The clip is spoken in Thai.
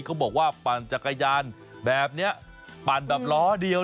เขาบอกว่าปั่นจักรยานแบบนี้ปั่นแบบล้อเดียว